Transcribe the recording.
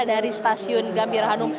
dari stasiun gambir hanum